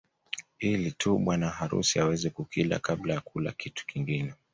Ili tu bwana harusi aweze kukila kabla ya kula kitu kingine